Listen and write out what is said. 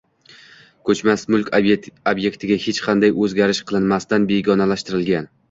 Koʼchmas mulk obʼektida hech qanday oʼzgarish qilinmasdan begonalashtirilgan